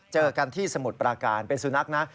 เจอกันที่สมุทรปราการเป็นสุนัขนะ